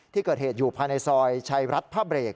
ที่เกิดเหตุอยู่ภายในซอยชัยรัฐพระเบรก